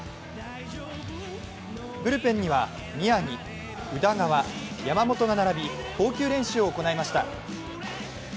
ブルペンには宮城、宇田川、山本が並び、投球練習を行いました